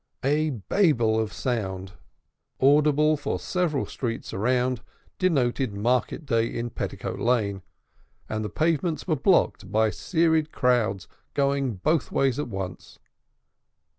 A babel of sound, audible for several streets around, denoted Market Day in Petticoat Lane, and the pavements were blocked by serried crowds going both ways at once.